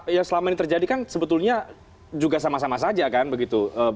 yang selama ini terjadi kan sebetulnya juga sama sama saja kan begitu